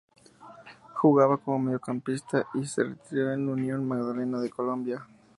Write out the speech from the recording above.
Jugaba como mediocampista y se retiró en el Unión Magdalena de Colombia.